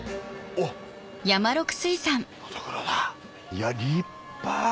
いや立派！